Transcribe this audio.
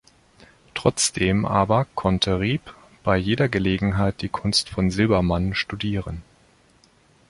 Trotzdem aber konnte Riepp bei jeder Gelegenheit die Kunst von Silbermann studieren.